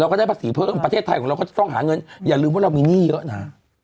ก็ได้ภาษีเพิ่มประเทศไทยของเราก็จะต้องหาเงินอย่าลืมว่าเรามีหนี้เยอะนะ